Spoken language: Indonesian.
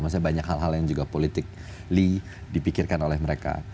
maksudnya banyak hal hal yang juga politikly dipikirkan oleh mereka